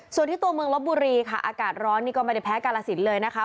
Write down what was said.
ส่วนที่ตัวเมืองลบบุรีค่ะอากาศร้อนนี่ก็ไม่ได้แพ้กาลสินเลยนะคะ